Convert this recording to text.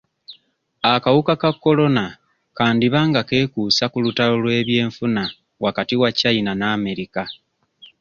Akawuka ka Corona kandiba nga keekuusa ku lutalo lw'ebyenfuna wakati wa China ne America.